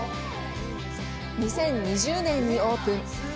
２０２０年にオープン。